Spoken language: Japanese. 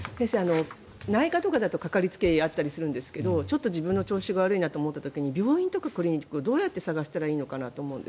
内科とかだとかかりつけ医があったりするんですが自分の調子が悪いなと思った時に病院とかクリニックをどう探せばいいのかなと。